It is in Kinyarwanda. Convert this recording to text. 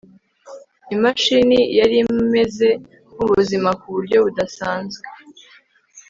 Imashini yari imeze nkubuzima kuburyo budasanzwe